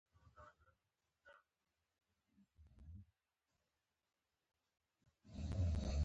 او افسوس به کوو.